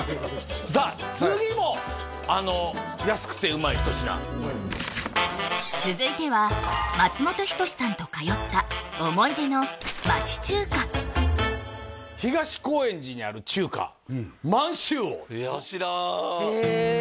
さあ次も安くてうまい一品続いては松本人志さんと通った思い出の東高円寺にある中華満州王いや知らんへえ